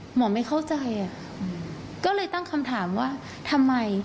ไม่เข้าใจก็เลยตั้งคำถามว่าทำไม